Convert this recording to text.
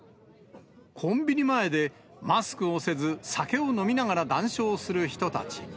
コンビニ前で、マスクをせず、酒を飲みながら談笑する人たち。